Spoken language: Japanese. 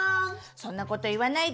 そんなこと言わないで！